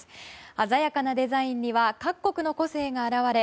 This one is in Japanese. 鮮やかなデザインには各国の個性が表れ